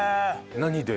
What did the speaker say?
何で？